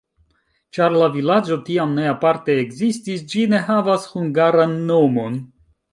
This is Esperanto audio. Ĉar la vilaĝo tiam ne aparte ekzistis, ĝi ne havas hungaran nomon.